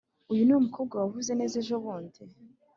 uyu niwe mukobwa wavuze neza ejobundi?